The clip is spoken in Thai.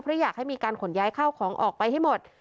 เพราะอยากให้มีการขนย้ายข้าวของออกไปให้หมด